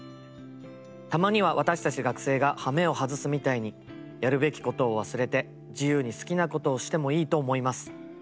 たまには私たち学生が羽目を外すみたいにやるべき事を忘れて自由に好きなことをしてもいいと思います。